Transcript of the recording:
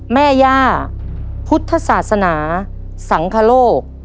แม่ย่าพุทธศาสนาสังคโลก